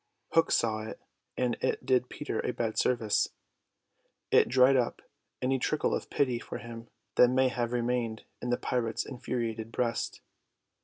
Hook saw it, and it did Peter a bad service. It dried up any trickle of pity for him that may have remained in the pirate's infuriated breast.